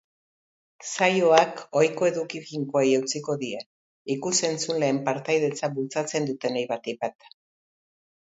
Saioak ohiko eduki finkoei eutsiko die, ikus-entzuleen partaidetza bultzatzen dutenei batik bat.